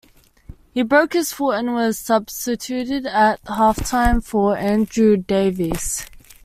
He broke his foot and was substituted at half-time for Andrew Davies.